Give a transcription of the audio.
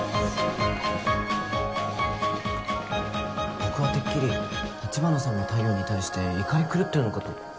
僕はてっきり橘さんの対応に対して怒り狂ってるのかと。